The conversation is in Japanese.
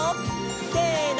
せの！